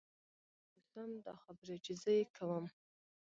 تر هغه چې زه ژوندۍ واوسم دا خبرې چې زه یې کوم.